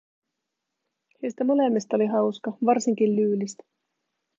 Heistä molemmista oli hauska, varsinkin Lyylistä.